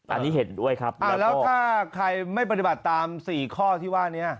อันนี้เห็นด้วยครับแล้วถ้าใครไม่ปฏิบัติตาม๔ข้อที่ว่านี้